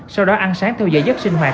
sau đó ăn sáng theo dạy dất sinh hoạt